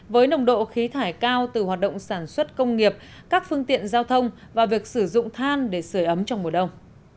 với nồng độ khí thải cao từ hoạt động sản xuất công nghiệp các phương tiện giao thông và việc sử dụng than để sửa ấm trong mùa đông